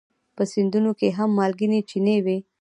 په سیندونو کې هم مالګینې چینې وي.